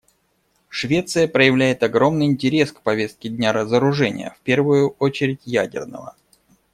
Швеция проявляет огромный интерес к повестке дня разоружения, в первую очередь ядерного.